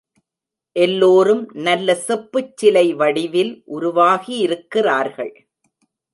எல்லோரும் நல்ல செப்புச் சிலை வடிவில் உருவாகியிருக்கிறார்கள்.